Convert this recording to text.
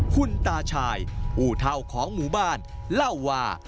คุณตาชายผู้เท่าของหมู่บ้านเล่าว่า